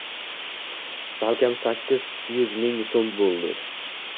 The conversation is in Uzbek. Sal kam sakkiz yuz ming soʻm boʻldi